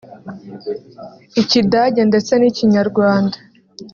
Ikidage ndetse n’Ikinyarwanda